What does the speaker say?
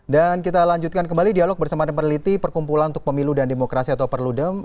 dan kita lanjutkan kembali dialog bersama teman teman peliti perkumpulan untuk pemilu dan demokrasi atau perludem